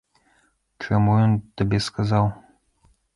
Чаму ён табе сказаў?